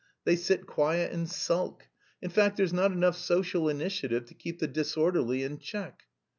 They sit quiet and sulk. In fact there's not enough social initiative to keep the disorderly in check."